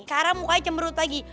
sekarang mukanya cemberut lagi